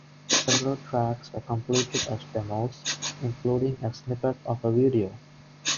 Several tracks were completed as demos, including a snippet of a video.